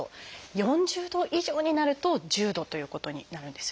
４０度以上になると「重度」ということになるんですよね。